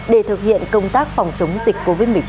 để thực hiện công tác phòng chống dịch covid một mươi chín